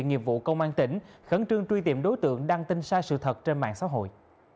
nghiệp vụ công an tỉnh khẩn trương truy tìm đối tượng đăng tin sai sự thật trên mạng xã hội